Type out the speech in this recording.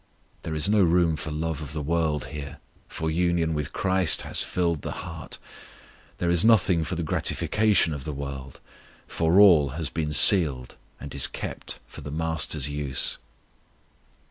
There is no room for love of the world here, for union with CHRIST has filled the heart; there is nothing for the gratification of the world, for all has been sealed and is kept for the MASTER'S use.